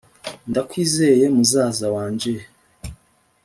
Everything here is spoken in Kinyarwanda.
ndakwizeye muzaza wanje